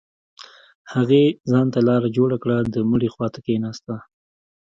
هغې ځان ته لاره جوړه كړه د مړي خوا ته كښېناسته.